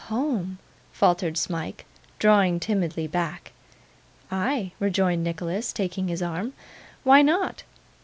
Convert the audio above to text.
'Home!' faltered Smike, drawing timidly back. 'Ay,' rejoined Nicholas, taking his arm. 'Why not?